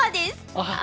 ああ。